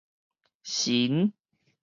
宸